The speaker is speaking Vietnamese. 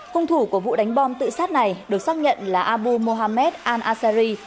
hung thủ của vụ đánh bom tự sát này được xác nhận là abu mohammed al azari